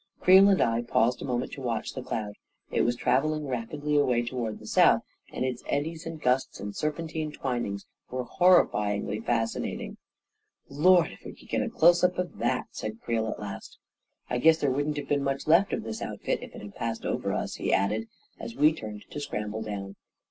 Creel and I paused a moment to watch the cloud. It was travelling rapidly away toward the south, and its eddies and gusts and serpentine twinings were horrifyingly fascinating. " Lord, if we could get a close up of that !" said Creel, at last. " I guess there wouldn't have been much left of this outfit if it had passed over us," he added, as we turned to scramble down.